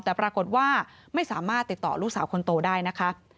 แต่ปรากฏว่าไม่สามารถติดต่อลูกสาวคนโตได้นะคะ